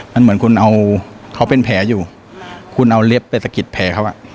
มันเหมือนคุณเอาเขาเป็นแผลอยู่คุณเอาเล็บไปสะกิดแผลเขาอ่ะ